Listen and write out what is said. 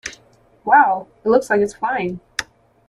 Wow! It looks like it is flying!